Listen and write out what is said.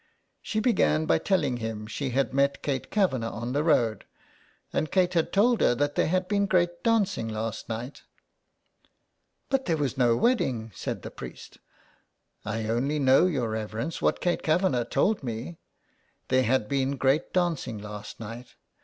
She began by telling him she had met Kate Kavanagh on the road, and Kate had told her that there had been great dancing last night. *' But there was no wedding," said the priest. " I only know, your reverence, what Kate Kavanagh told me. There had been great dancing last night.